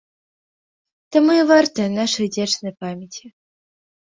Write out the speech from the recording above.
Таму і вартая нашай удзячнай памяці.